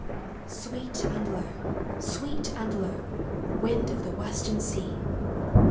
Sweet and low, sweet and low, Wind of the western sea.